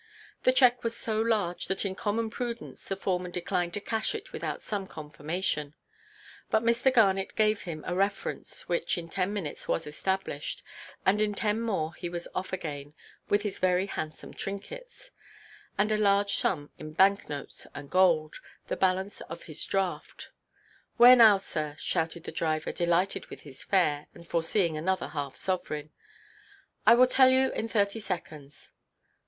The cheque was so large that in common prudence the foreman declined to cash it without some confirmation; but Mr. Garnet gave him a reference, which in ten minutes was established, and in ten more he was off again with his very handsome trinkets, and a large sum in bank–notes and gold, the balance of his draft. "Where now, sir?" shouted the driver, delighted with his fare, and foreseeing another half–sovereign. "I will tell you in thirty seconds."